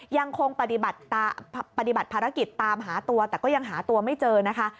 ยังคงปฏิบัติภารกิจตามหาตัวแต่ก็ยังหาตัวไม่เจอนะคะ